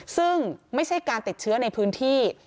ซึ่งไม่ใช่การติดเชื้อในพื้นที่